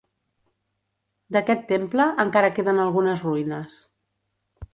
D'aquest temple encara queden algunes ruïnes.